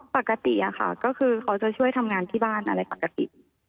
ปกติค่ะก็คือเขาจะช่วยทำงานที่บ้านอะไรปกติ